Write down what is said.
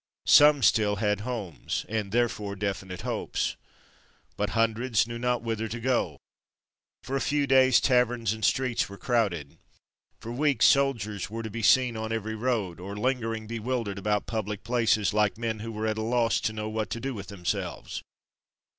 Some still had homes, and, therefore, definite hopes. But hundreds knew not whither to go.... For a few days taverns and streets were crowded. For weeks soldiers were to be seen on every road, or lingering bewildered about public places, like men who were at a loss to know what to do with themselves.